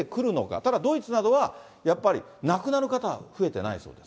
ただドイツなどは、やっぱり亡くなる方は増えてないそうです。